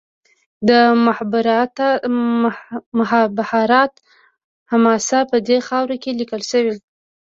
د مهابهاراتا حماسه په دې خاوره کې لیکل شوې.